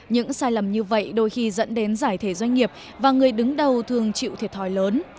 những sai lầm như vậy đôi khi dẫn đến giải thể doanh nghiệp và người đứng đầu thường chịu thiệt thòi lớn